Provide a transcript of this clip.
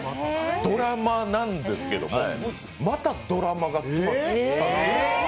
ドラマなんですけどまたドラマが決まった。